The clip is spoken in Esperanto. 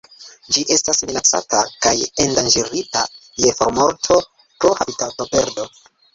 Ĝi estas minacata kaj endanĝerita je formorto pro habitatoperdo.